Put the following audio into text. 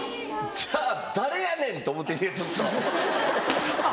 じゃあ誰やねん！と思ってるねちょっと。